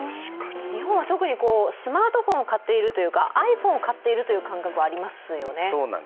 日本は特にスマートフォンを買っているというかｉＰｈｏｎｅを買っているという感覚はありますよね。